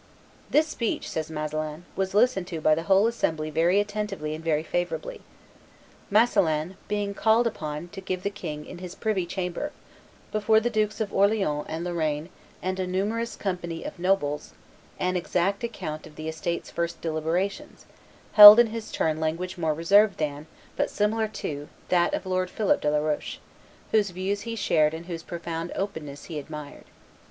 "This speech," says Masselin, "was listened to by the whole assembly very attentively and very favorably." Masselin, being called upon to give the king "in his privy chamber, before the Dukes of Orleans and Lorraine and a numerous company of nobles," an exact account of the estates' first deliberations, held in his turn language more reserved than, but similar to, that of Lord Philip de la Roche, whose views he shared and whose proud openness he admired.